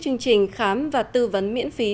chương trình khám và tư vấn miễn phí